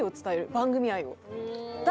番組愛を。